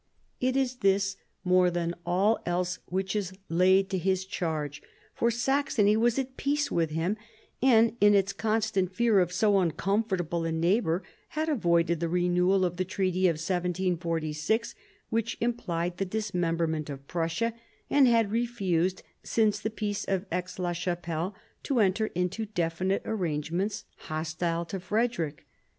It is this, more than all else, which is laid to his charge. For Saxony was at peace with him, and, in its constant fear of so uncomfortable a neighbour, had avoided the renewal of the treaty of 1746, which implied the dismemberment of Prussia, and had refused, since the Peace of Aix la Chapelle, to enter into definite arrangements hostile to Frederick.